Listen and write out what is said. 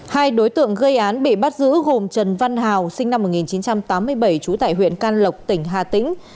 hai đối tượng gây án bị bắt giữ gồm trần văn hào sinh năm một nghìn chín trăm tám mươi bảy trú tại huyện can lộc tỉnh hà tĩnh